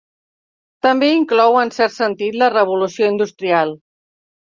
També inclou, en cert sentit, la Revolució Industrial.